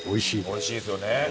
おいしいですよね。